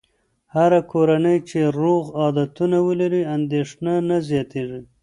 هره کورنۍ چې روغ عادتونه ولري، اندېښنه نه زیاتېږي.